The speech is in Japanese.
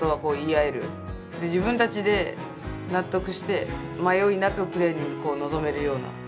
自分たちで納得して迷いなくプレーに臨めるような。